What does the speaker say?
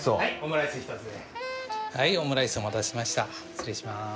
失礼しまーす。